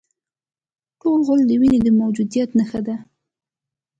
تور غول د وینې د موجودیت نښه ده.